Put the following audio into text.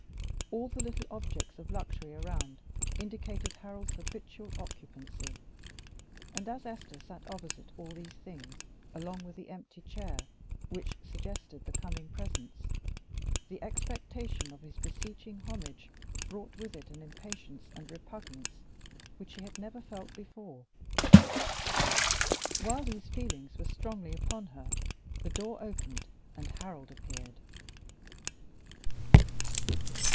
All the little objects of luxury around indicated Harold's habitual occupancy; and as Esther sat opposite all these things along with the empty chair which suggested the coming presence, the expectation of his beseeching homage brought with it an impatience and repugnance which she had never felt before. While these feelings were strongly upon her, the door opened and Harold appeared.